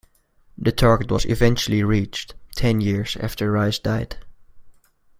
The target was eventually reached, ten years after Rhys died.